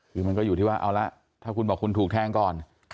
คือมันก็อยู่ที่ว่าเอาละถ้าคุณบอกคุณถูกแทงก่อน